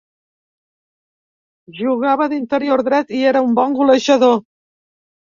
Jugava d'interior dret i era un bon golejador.